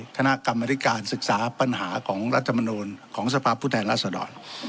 คณะกรรมริการศึกษาปัญหาของรัฐมนตร์ของสภาพพุทธแห่งรัฐสดอด